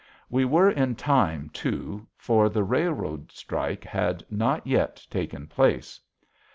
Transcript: We were in time, too, for the railroad strike had not yet taken place.